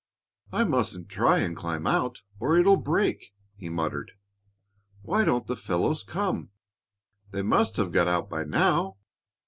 "I mustn't try and climb out or it'll break," he muttered. "Why don't the fellows come? They must have got out by now."